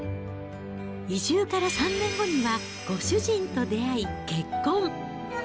移住から３年後にはご主人と出会い、結婚。